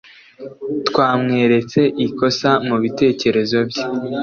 twamweretse ikosa mubitekerezo bye